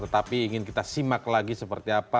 jadi ingin kita simak lagi seperti apa